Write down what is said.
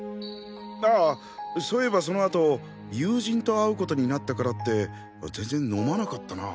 あそういえばその後友人と会うことになったからって全然飲まなかったなぁ。